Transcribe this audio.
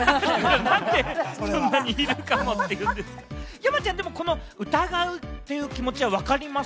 山ちゃん、でもこの疑うという気持ちはわかります？